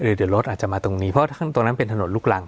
เดี๋ยวรถอาจจะมาตรงนี้เพราะตรงนั้นเป็นถนนลูกรัง